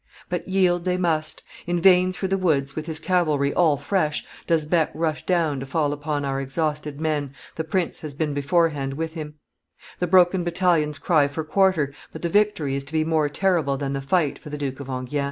But yield they must: in vain through the woods, with his cavalry all fresh, does Beck rush down to fall upon our exhausted men the prince has been beforehand with him; the broken battalions cry for quarter, but the victory is to be more terrible than the fight for the Duke of Enghien.